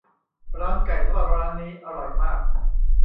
ร้านไก่ทอดร้านนี้อร่อยมาก